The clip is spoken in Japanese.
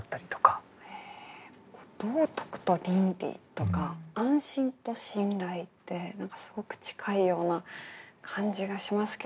道徳と倫理とか安心と信頼ってすごく近いような感じがしますけどやっぱ違うんですね。